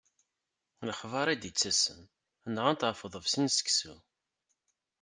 Lexbar i d-yettasen, nɣan-t ɣef uḍebsi n seksu.